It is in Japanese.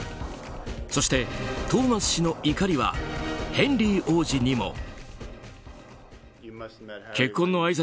そして、トーマス氏の怒りはヘンリー王子にも。